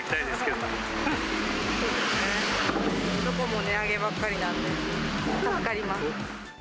どこも値上げばっかりなんで、助かります。